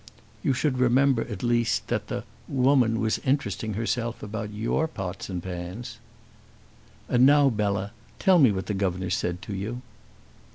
"You should remember at least that the woman was interesting herself about your pots and pans." "And now, Bella, tell me what the governor said to you."